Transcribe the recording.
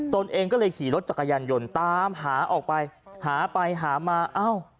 ตัวเองก็เลยขี่รถจักรยานยนต์ตามหาออกไปหาไปหามาเอ้า